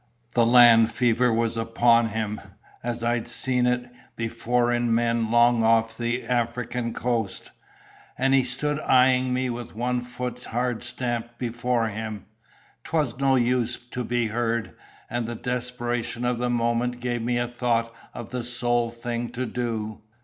The land fever was upon him, as I'd seen it before in men long off the African coast; and he stood eyeing me with one foot hard stamped before him. 'Twas no use trying to be heard, and the desperation of the moment gave me a thought of the sole thing to do.